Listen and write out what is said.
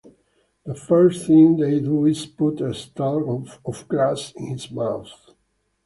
The first thing they do is put a stalk of grass in his mouth.